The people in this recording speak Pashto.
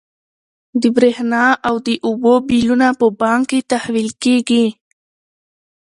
د برښنا او اوبو بلونه په بانک کې تحویل کیږي.